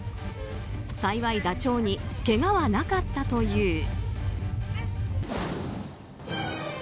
幸いダチョウにけがはなかったという。